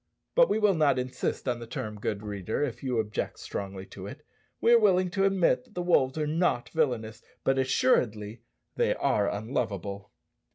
But we will not insist on the term, good reader, if you object strongly to it. We are willing to admit that the wolves are not villanous, but, assuredly, they are unlovable.